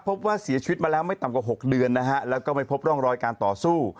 พบว่าเสียชีวิตมาแล้วไม่ต่ำกว่า๖เดือนนะฮะแล้วก็ไม่พบร่องรอยการต่อสู้